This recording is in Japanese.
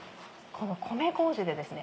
この米麹でですね